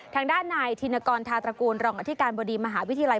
ทางด้านนายธินกรธาตระกูลรองอธิการบดีมหาวิทยาลัย